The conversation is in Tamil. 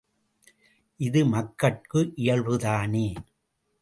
இது மக்கட்கு இயல்புதானே!